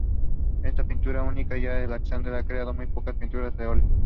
Es una pintura única ya que Alexander ha creado muy pocas pinturas al óleo.